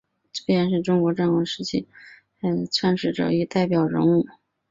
邹衍是中国战国时期阴阳家学派创始者与代表人物。